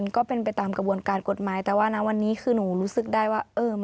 ก็เป็นไปตามกระบวนการกฎหมายแต่ว่านะวันนี้คือหนูรู้สึกได้ว่าเออ